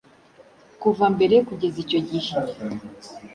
Kuva mbere kugeza icyo gihe,